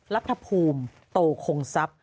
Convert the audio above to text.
รัทภภูมิโตคงซับ